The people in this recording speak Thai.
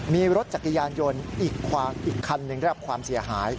มีรถจักรยานยนต์อีกคันหนึ่งได้รับความเสียหาย